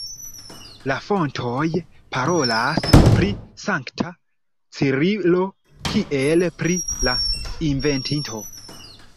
La fontoj parolas pri sankta Cirilo kiel pri la inventinto.